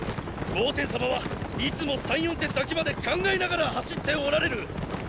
蒙恬様はいつも三・四手先まで考えながら走っておられる！